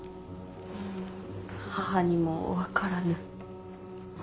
うん母にも分からぬ。